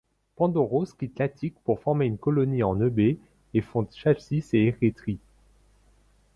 Pandoros quitte l'Attique pour former une colonie en Eubée, et fonde Chalcis et Érétrie.